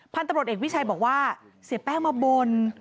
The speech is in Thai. พันธุ์ตำรวจเอกวิชัยบอกว่าเสียแป้งมาบน